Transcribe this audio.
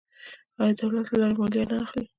آیا دولت له دې لارې مالیه نه اخلي؟